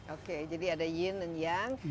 oke jadi ada yin dan young